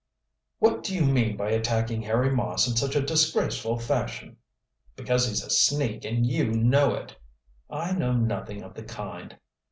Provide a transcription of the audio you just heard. "What do you mean by attacking Harry Moss in such a disgraceful fashion?" "Because he's a sneak, and you know it." "I know nothing of the kind."